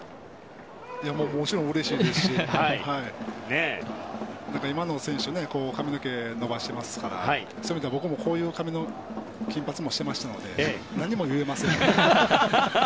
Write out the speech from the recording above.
もちろんうれしいですし今の選手髪の毛を伸ばしてますからそういう意味では僕も金髪にもしていましたので何も言えませんね。